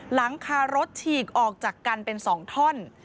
หลังคารถฉีกออกจากกันเป็น๒ท่อน